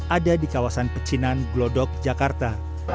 ada di kawasan pecinan glodok jakarta